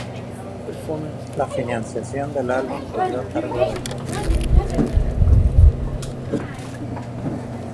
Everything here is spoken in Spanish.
La financiación del álbum corrió a cargo de Komuro.